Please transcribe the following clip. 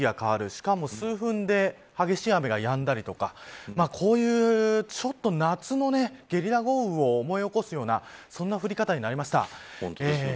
しかも数分で激しい雨がやんだりとかこういう、ちょっと夏のゲリラ豪雨を思い起こすようなそんな降り方になりました。